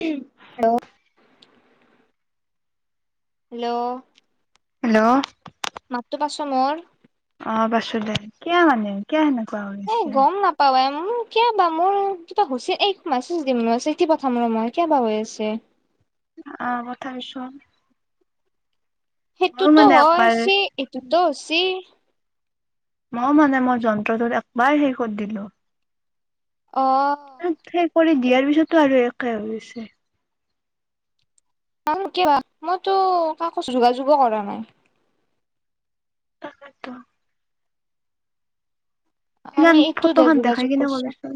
Hello. Hello. Hello. মাত টো পাইছ মোৰ। অ পাছো দে কিয় মানে কিয় সেনেক। এই গম নাপাৱ। উ কিয়াবা মোৰ কিবাছিল এই মাছেজ দিমছে পথা ম ৰ মই কিয়াবা হৈ আছে। আহ কথাবিছোন। সেইটোতো হয়ছে এইটোতো হৈছে। ম মানে মই যন্ত্ৰটোত একবাৰ হেৰি কৰি দিলো। অ সপ দিয়াৰ পিছততো আৰু একাই হৈ গৈছে। মইতো কাকজ যোগাযোগো কৰা নাই। তাকতো। সান আমি ফটো এইটোতহে খান দেখাই যোগাযোগ কিনে কৰিছো ক'লিচোন।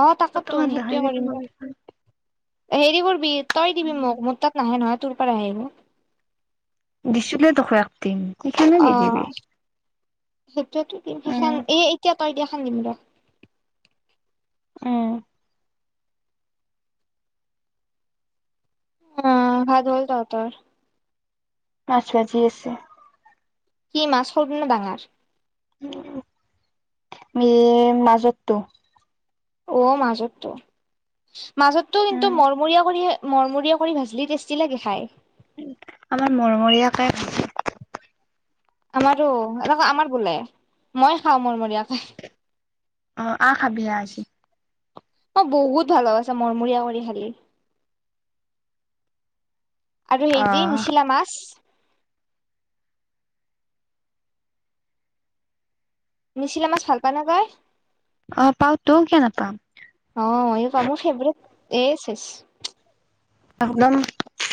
অ তাকো সেইটোৱে কৰিম দ। কবিচোন হেৰিবোৰবি তই দিবি মোক উম মোৰ তাত নাহে নহয় তোৰ পৰা আহে ম [unintelligible] দিছিল দেখো একদিন এইখনে দি দিবি সেইটোৱো দিম উম সেইখন এ এতিয়া তই দিয়া খান দিম দে [unintelligible] উ অঁ ভাত হল তহঁতৰ আছ বাজি আছে [unintelligible] কি মাছ হলব ন ডাঙৰ। ম মাজতটো। অ মাজতটো মাজতটো উম কিন্তু মৰমৰীয়া কৰিহে। মৰমৰিয়া কৰি ভাজিলি টেষ্টি লাগে খায়। আমাৰ মৰমৰীয় কাই ভ। আমাৰো এনেক আমাৰ বোলে মই খাওঁ মৰমৰীয়াকে। অ আহ খাবি আজি। অ বহুত ভাল আছে মৰমূৰিয়া কৰি খালি। আৰু অ সেই যি নিচিলা মাছ। নিচিলা মাছ ভাল পায় নে গয়। অ পাওতো কিয় নাপাম অ এই ক মোৰ ফেভৰেট। S S. একদম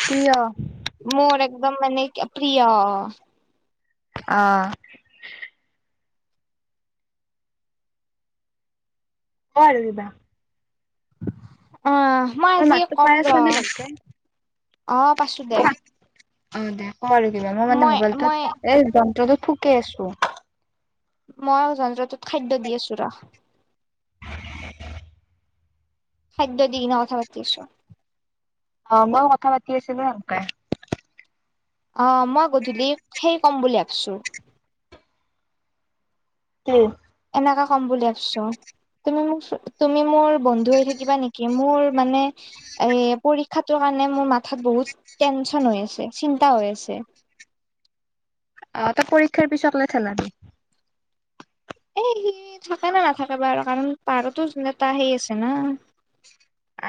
কিয়া। মোৰ একদম মানে কে প্ৰিয়। অঁহ। ক আৰু দিবা। অ মই আজি মাতটো কম পায় ৰ আছ নে নাচে। অ পাছো দে অ দে ক আৰু কিবা মই মানে মোবাইলটোত এ যন্ত্ৰটো থুকে আছো। মই যন্ত্ৰটোত খাদ্য দি আছোঁ ৰ। খাদ্য দি ন থা পাতি আছ। অ ময় কথা পাতি আছিলো সেনকে। অ মই গধূলি সেই ক'ম বুলি ভাবিছো কি? নেকা কম বুলি ভবিছো। [unintelligible] তুমি মোক তুমি মোৰ বন্ধু হৈ থাকিবা নেকি মোৰ মানে এ পৰীক্ষাতো কা- মানে মো মাথাত বহুত টেনচন হৈ আছে চিন্তা হৈ আছে। অ ত পৰীক্ষাৰ পিছকলে থেলাবি। এ সি থাকে নে নাথাকে বাৰু কাৰণ পাহাৰতো নেটা সেই আছে না।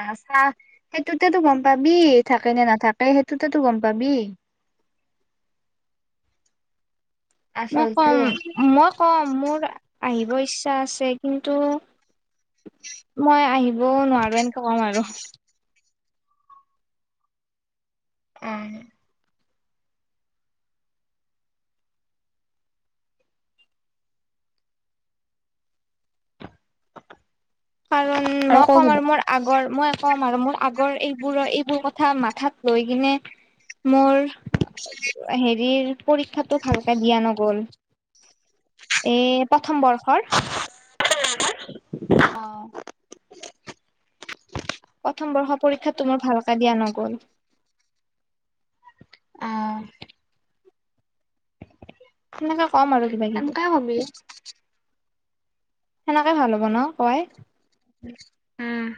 আ চাহ সেইটোতেটো গম পাবি থাকে নে নাথাকে সেইটোতেটো গম পাবি। [unintelligible] মই আচলটো কম মই কম মোৰ- আহিব ইচ্ছা আছে কিন্তু, মই আহিবও নোৱাৰো এনেকে কম আৰু। উম। কাৰণ মই ক ক'ম আৰু কিবা মোৰ আগৰ মই কম আৰু মোৰ আ- আগৰ এইবোৰ এইবোৰ কথা মাথাত লৈ কিনে মোৰ- হেৰিৰ পৰীক্ষাতটো ভালকে দিয়া নগ'ল। এ প্ৰথম বৰ্ষৰ। অ। [unintelligible] প্ৰথম বৰ্ষ পৰীক্ষাটো মোৰ ভালকে দিয়া নগল। অঁহ। সেনেকে কম আৰু কিবা কিবি। সেনকে কবি সেনেকে ভাল হ'ব ন কয়। উহ উম।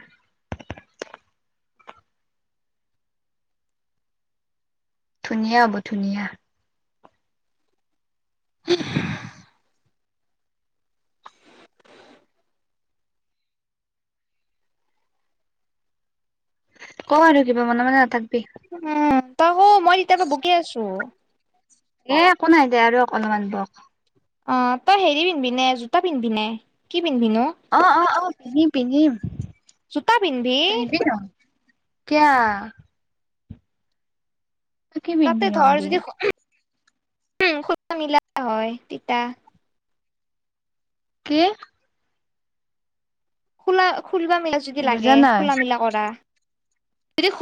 ধুনীয়া হ'ব ধুনীয়া। [unintelligible] [inaudible] ক আৰু কিবা মনে মনে নাথাকবি উঁ তয় শু মই ইতিয়া পা বকি আছো। এ একো নাই দে আৰু অকণমান বহ। অঁ তই হেৰি পিনবি নে জোতা পিনবি নে কি পিনবি নো? অঁ অঁ অঁ পিন্ধিম পিন্ধিম। জোতা পিনবি? পিন্ধিবি ন কিয়া। তই কি পিন্ধবি তাতে ধৰ নহ'লি যদি ওমহ খোতটো মিলা হয় তিতা। কি? খোলা খুলবা মেলা যদি বুজা লাগে নাই খোলা মেলা কৰা ইদি-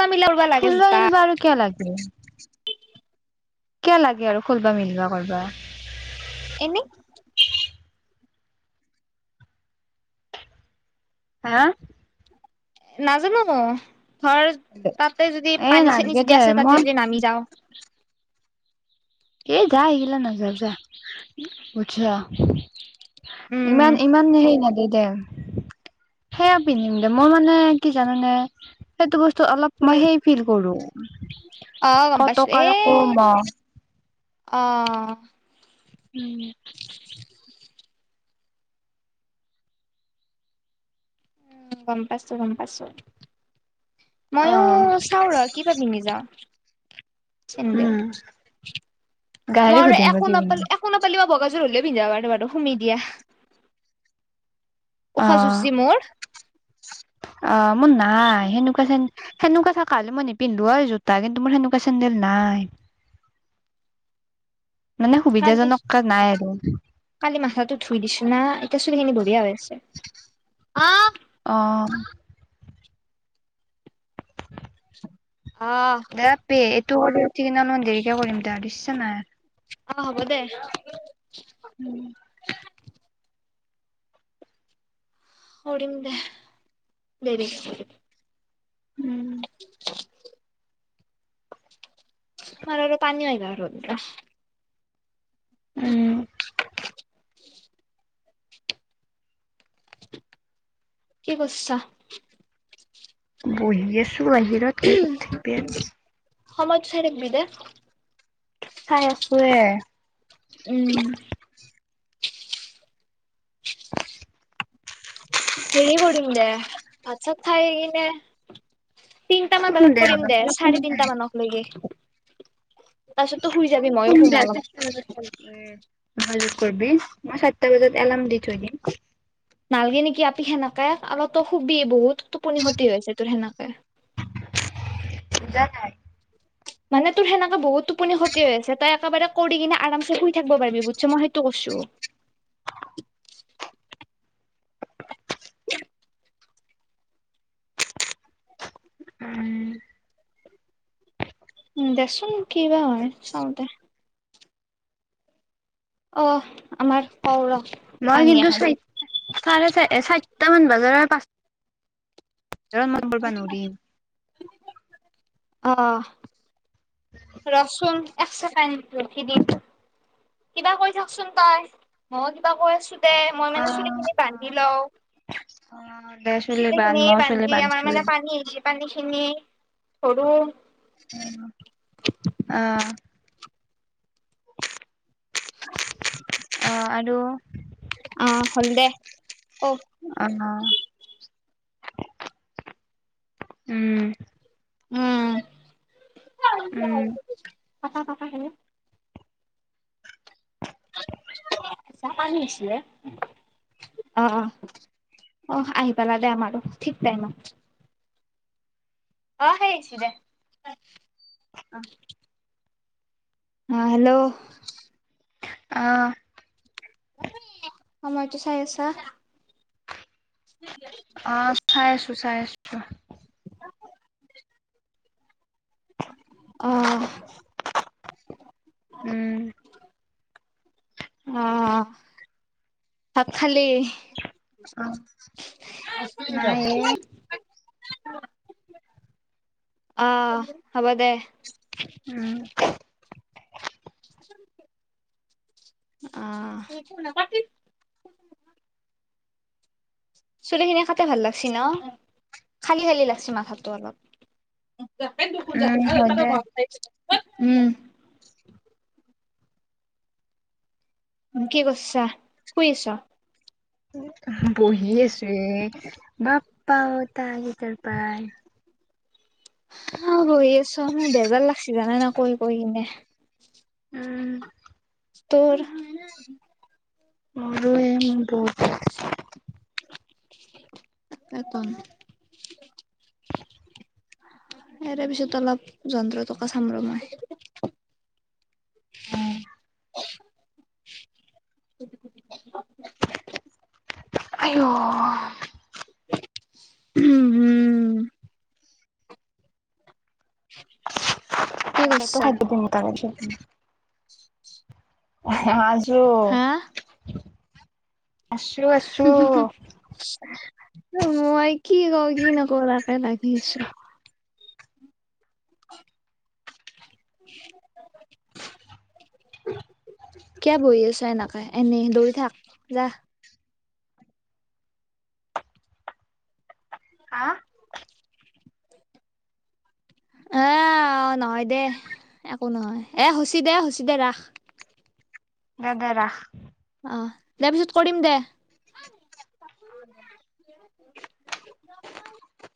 খুলবা বিলবা আৰু কিয় লাগে। কিয় লাগে আৰু খুলবা মিলিবা কৰবা। এনেই। হাঁ! নাজানো ন। ধৰ তাতে যদি এ পানী চানী নালগে চিদি দে আছে তাতে মই যদি নামি যাওঁ। এ যা এইগিলা নাযাও‌ যা পুছ। ইমান উম ইমান নেহেই নাদে। দে সেয়া পিনিম দে মই মানে কি জানানে সেইটো বস্তু। ত অলপ কি মই সেই ফিল কৰো অ গম কতকা ক ম [unintelligible] অহ উম উম গম পাইছো গম পাইছো অ ময়ো চাও ৰ কিবা পিন্ধি যাওঁ চাম ৰ উম [unintelligible] মই গাড়ী আৰু সুধিম ৰ একো কি [unintelligible] পিন্ধি হলে পিন্ধা ব বাৰো সুমি দিয়া [unintelligible] অ ওখ জোৰ যি মোৰ অ মোৰ নাই, সেনেকোৱা খেন সেনকোৱা কা কালি মই নিপিন্ধিলো আৰু জোতা কিন্তু মোৰ সেনেকুৱা চেন্দেল নাই। মানে কালি সুবিধাজনক নাই আৰু কালি মাথাটো ধুই দিছো না। তচখিনি বঢ়িয়া হৈ আছে। [unintelligible] অ' [unintelligible] [unintelligible] এইটো কৰি স কিনা মই দেৰিকে কৰিম দে দিশছ অ হ'ব দে নাই। [unintelligible] কৰিম দে, দেৰি কে। [unintelligible] আমাৰ আৰু পানী হয় গা [unintelligible] উম। [unintelligible] কি কৰিছা? বহি আছো বাহিৰত [unintelligible] সময়ত চাই থাকবি দে। চাই আছো এ। উম। হেৰি কৰিম দে, ভাত চাত খাই কিনে তিনটামান বজাত কৰিম দে চাৰে তিনটা মানৰ লৈকে। তাৰপিছততো শুই যাবি মইয়ো [unintelligible] শুম অলপ যোগাযোগ কৰবি মই চাইটা বজাত এলাৰ্ম দি থৈ দিম। নালগে নেকি আপি সেনেকে? অলপ ট শুবি বহুত টোপনি খতি হৈছে তোৰ সেনেকে। বুজা নাই [inaudible] [unintelligible] [inaudible] মানে তোৰ সেনেকে বহুত টোপনি ক্ষতি হৈ আছে তই একেবাৰে ক [unintelligible] [unintelligible] [inaudible] [unintelligible] [inaudible] উম উ দেচোন কি বা হয় অহ আমাৰ কওঁ ৰ। মই পানী কিন্তু, এখন [unintelligible] [unintelligible] অঁ ৰচোন একচেকেণ্ড ৰখি দিম। কিবা কৰি থাক চোন তই ময় কিবা কৰি দে মই মানে চুলি খিনি বান্ধি লওঁ। চুলিখিন বান্ধি আমাৰ মানে পানী হৈছে, পানী খিনি ধৰোঁ। [unintelligible] আ। [unintelligible] অ আৰু অ হল দে। ক আহ উম [inaudible] উম [inaudible] ককা ককা খ চাহানিছে আহ [unintelligible] আহ আহি পালা দে আমাৰো আৰু ঠিক টাইমত। আহ সেইছিল [inaudible] আহ হেল্ল'। আহ। সময়তো চাই আছা? অ চাই আছো চাই আছো। [inaudible] আহ উম অ ভাত খালি অ নাই [unintelligible] [inaudible] অ হব দে উম [inaudible] অ চুলিখিনি কাটে ভাল লাগছি ন খালি খালি লাগিছে মাথাতটো অলপ দুখ য উম হয় ত দে ঘৰত উ উ কি কৰিছা শুই আছ বহি আছো বাপ পাওঁ ত আহ ত পায় [unintelligible] অ হৈ আছো আৰ বেজাৰ লাগছে জানে ন কৈ কৈ কিনে [unintelligible] উম তোৰ আৰুৱে মোৰ বহুত এতন [unintelligible] ইযাৰ পিছত অলপ যন্ত্ৰ টকা চাম ৰ মই [inaudible] আইও [unintelligible] উম উম। [unintelligible] ততো কৰছা খাদ্য দিন ত। আজো। হা হুম হু হু হু। ম আই কি গ কি নকৌ ৰা কে লাগি আছো। [unintelligible] [unintelligible] [inaudible] কিয় বহি আছো এনেকা এনেই দৌৰি থাক যাহ হা এ নহয় দে একো নহয় এ শুচী দে শুচী দে ৰাস [unintelligible] গাদাৰা অ তাৰ পিছত কৰিম দে হয়ে [inaudible]